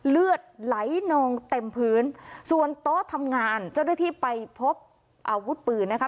เลือดไหลนองเต็มพื้นส่วนโต๊ะทำงานเจ้าหน้าที่ไปพบอาวุธปืนนะคะ